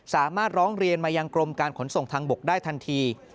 ร้องเรียนมายังกรมการขนส่งทางบกได้ทันที